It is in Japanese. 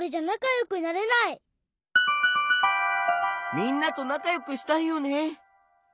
みんなとなかよくしたいよね。